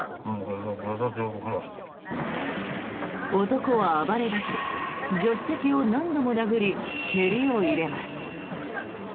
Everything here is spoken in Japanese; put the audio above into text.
男は暴れ出し助手席を何度も殴り蹴りを入れます。